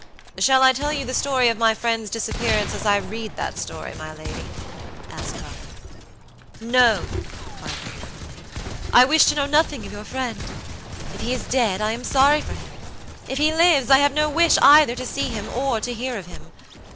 "Shall I tell you the story of my friend's disappearance as I read that story, my lady?" asked Robert. "No," cried Lady Audley; "I wish to know nothing of your friend. If he is dead, I am sorry for him. If he lives, I have no wish either to see him or to hear of him.